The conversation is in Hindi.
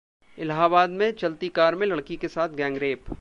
इलाहबाद में चलती कार में लड़की के साथ गैंगरेप